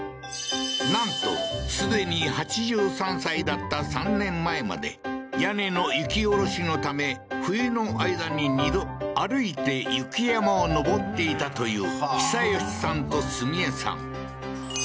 なんとすでに８３歳だった３年前まで屋根の雪おろしのため冬の間に２度歩いて雪山を上っていたという久良さんとすみ枝さん